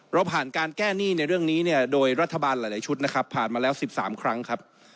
เราผ่านการแก้หนี้ในเรื่องนี้เนี่ยโดยรัฐบาลหลายชุดนะครับผ่านมาแล้ว๑๓ครั้งครับ